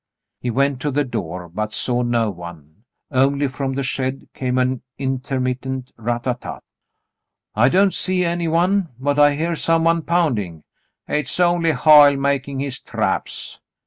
He went to the door, but saw no one ; only from the shed came an intermittent rat tat tat. "I don't see any one, but I hear some one pounding.'* "Hit's only Hoyle makin' his traps."